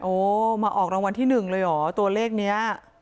โอ้มาออกรางวัลที่๑เลยเหรอตัวเลขนี้